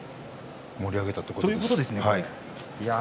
盛り上げたということですね。